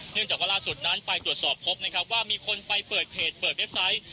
จากว่าล่าสุดนั้นไปตรวจสอบพบนะครับว่ามีคนไปเปิดเพจเปิดเว็บไซต์